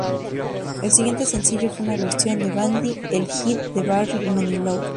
El siguiente sencillo fue una versión de "Mandy", el "hit" de Barry Manilow.